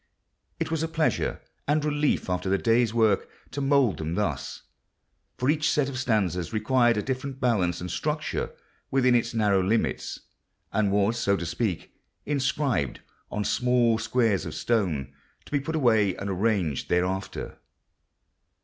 It was a pleasure and relief after the day's work to mould them thus, for each set of stanzas required a different balance and structure within its narrow limits, and was, so to speak, inscribed on small squares of stone, to be put away and arranged thereafter.